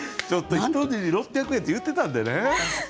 ちょっとひと塗り６００円って言ってたんでね。